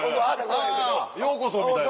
あぁ「ようこそ」みたいな。